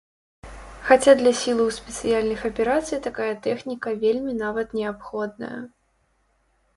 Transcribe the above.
Хаця для сілаў спецыяльных аперацый такая тэхніка вельмі нават неабходная.